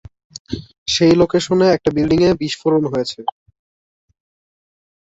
সেই লোকেশনে একটা বিল্ডিংয়ে বিস্ফোরণ হয়েছে।